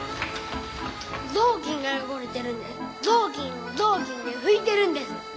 ぞうきんがよごれてるんでぞうきんをぞうきんでふいてるんです。